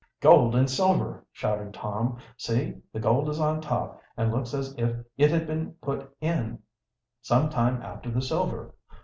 "Gold and silver!" shouted Tom. "See, the gold is on top, and looks as if it had been put in some time after the silver.